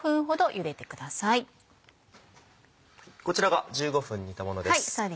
こちらが１５分煮たものです。